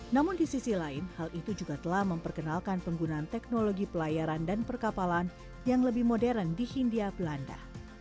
namun di sisi lain hal itu juga telah memperkenalkan penggunaan teknologi pelayaran dan perkapalan yang lebih modern di hindia belanda